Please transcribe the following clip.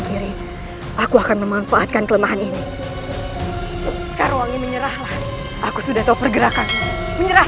kiri aku akan memanfaatkan kelemahan ini sekarang wangi menyerahlah aku sudah tahu pergerakan menyerah